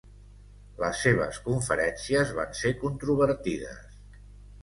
Les seves conferències van ser controvertides.